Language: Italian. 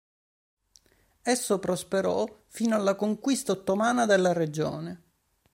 Esso prosperò fino alla conquista ottomana della regione.